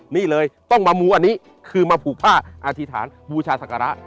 นี่เลยต้องมามูอันนี้คือมาผูกผ้าอธิษฐานบูชาศักระ